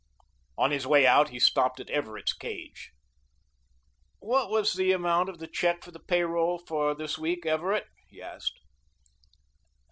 On his way out he stopped at Everett's cage. "What was the amount of the check for the pay roll for this week, Everett?" he asked.